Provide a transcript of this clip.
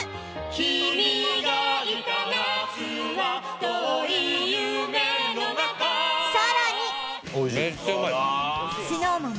君がいた夏は遠い夢の中さらにＳｎｏｗＭａｎ